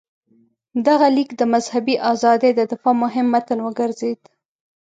دغه لیک د مذهبي ازادۍ د دفاع مهم متن وګرځېد.